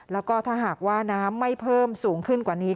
แล้วก็ถ้าหากว่าน้ำไม่เพิ่มสูงขึ้นกว่านี้